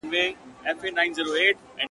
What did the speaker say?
دوه پر لاري را روان دي دوه له لیري ورته خاندي٫